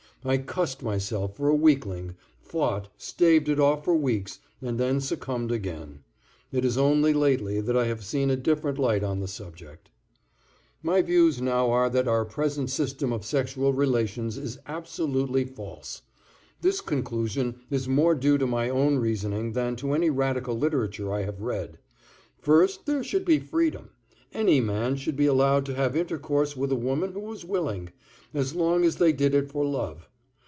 I cussed myself for a weakling, fought, staved it off for weeks, and then succumbed again. It is only lately that I have seen a different light on the subject. My views now are that our present system of sexual relations is absolutely false. This conclusion is more due to my own reasoning than to any radical literature I have read. First, there should be freedom. Any man should be allowed to have intercourse with a woman who was willing, as long as they did it for love.